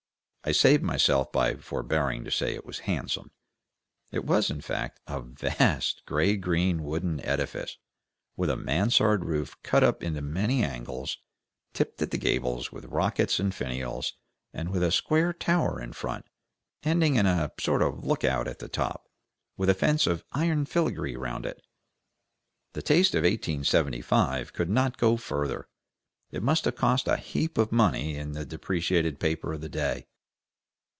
I saved myself by forbearing to say it was handsome. It was, in fact, a vast, gray green wooden edifice, with a mansard roof cut up into many angles, tipped at the gables with rockets and finials, and with a square tower in front, ending in a sort of lookout at the top, with a fence of iron filigree round it. The taste of 1875 could not go further; it must have cost a heap of money in the depreciated paper of the day.